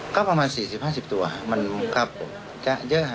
ก็ประมาณสี่สิบห้าสิบตัวมันครับจะเยอะไง